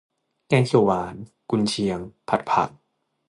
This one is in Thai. แกงเขียวหวาน กุนเชียง ผัดผัก